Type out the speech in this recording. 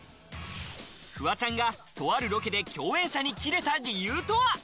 フワちゃんが、とあるロケで共演者にキレた理由とは？